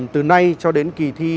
từ nay cho đến kỳ thi